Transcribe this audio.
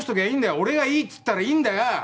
俺がいいつったらいいんだよ。